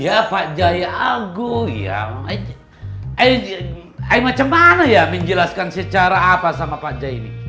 ya pak jaya apa yang saya lakukan apa yang saya jelaskan kepada pak jaya